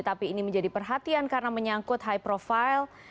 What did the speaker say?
tapi ini menjadi perhatian karena menyangkut high profile